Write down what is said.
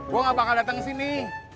gua gak bakal dateng sini